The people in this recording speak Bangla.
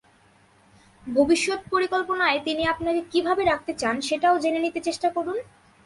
ভবিষ্যত্ পরিকল্পনায় তিনি আপনাকে কীভাবে রাখতে চান সেটাও জেনে নিতে চেষ্টা করুন।